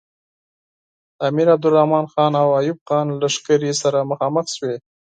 د امیر عبدالرحمن خان او ایوب خان لښکرې سره مخامخ شوې.